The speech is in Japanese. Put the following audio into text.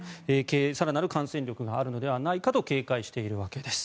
更なる感染力があるのではないかと警戒しているわけです。